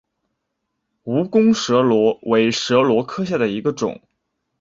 蜈蚣蛇螺为蛇螺科下的一个种。